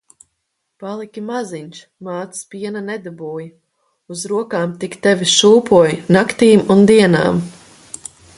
Paliki maziņš, mātes piena nedabūji. Uz rokām tik tevi šūpoju naktīm un dienām.